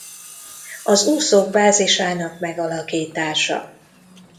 Az úszók bázisának megalakítása.